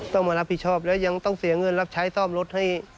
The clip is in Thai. ต้องมารับผิดชอบแล้วยังต้องเสียเงินรับใช้ซ่อมรถให้